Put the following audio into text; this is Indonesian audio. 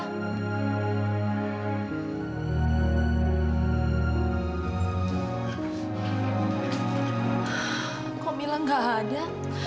kok kamila gak ada